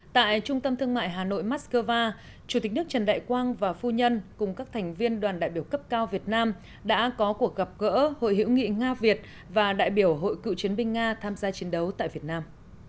tại trung tâm thương mại hà nội moscow chủ tịch nước trần đại quang và phu nhân cùng các thành viên đoàn đại biểu cấp cao việt nam đã có cuộc gặp gỡ hội hữu nghị nga việt và đại biểu hội cựu chiến binh nga tham gia chiến đấu tại việt nam